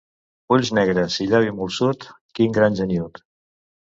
Ulls negres i llavi molsut, quin gran geniüt!